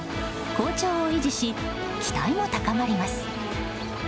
好調を維持し、期待も高まります。